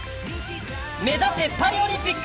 目指せパリオリンピック！